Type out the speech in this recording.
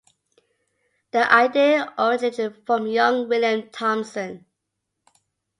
The idea originated from young William Thomson.